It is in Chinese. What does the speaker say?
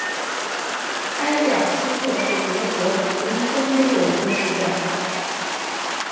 埃贝尔斯特是德国图林根州的一个市镇。